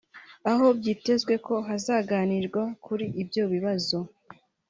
aho byitezwe ko hazaganirwa kuri ibyo bibazo